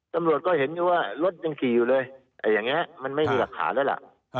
ตำรวจก็เห็นว่ารถยังขี่อยู่เลยมันไม่มีรักษาแล้วล่ะ